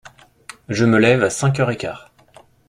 Je me lève à cinq heures et quart.